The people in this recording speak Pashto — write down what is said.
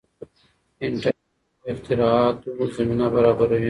انټرنیټ د نویو اختراعاتو زمینه برابروي.